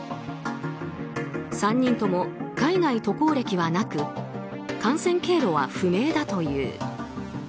３人とも海外渡航歴はなく感染経路は不明だという。